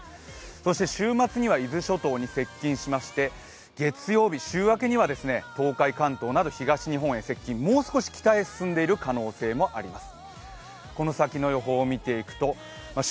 そして週末には伊豆諸島に接近しまして、月曜日、週明けには東海、関東など東日本へ接近、もう少し北へ進んでいる可能性もあります。